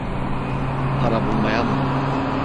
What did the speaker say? Para bulmaya mı?